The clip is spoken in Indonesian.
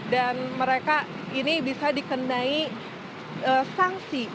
dan mereka ini bisa dikenai sanksi